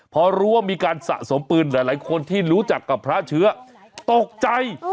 พอรู้ว่ามีการสะสมปืนหลายคนที่รู้จักกับพระเชื้อตกใจ